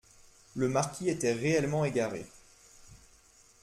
Le marquis était réellement égaré.